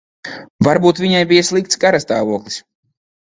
Varbūt viņai bija slikts garastāvoklis.